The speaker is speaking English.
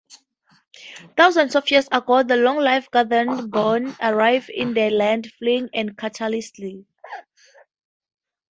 Thousands of years ago the long-lived Gardenborn arrived in the land, fleeing a cataclysm.